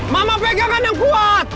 mama pegangkan yang kuat